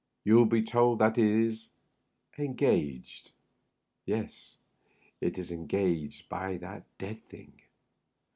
Tou will be told that it is engaged — yes — ^it is engaged by that dead thing.